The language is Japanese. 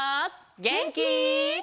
げんき？